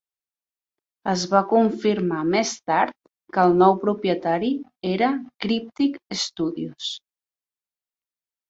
Es va confirmar més tard que el nou propietari era Cryptic Studios.